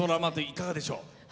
いかがでしょう？